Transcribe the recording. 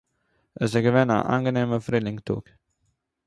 עס איז געווען אַן אנגענעמער פרילינג טאג